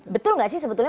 betul gak sih sebetulnya